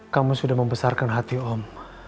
kamu sudah membesarkan hati om